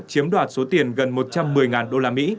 chiếm đoạt số tiền gần một trăm một mươi usd